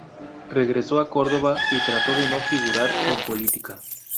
Regresó a Córdoba y trató de no figurar en política.